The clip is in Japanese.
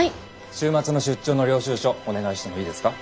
週末の出張の領収書お願いしてもいいですか？